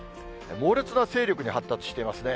猛烈な勢力に発達していますね。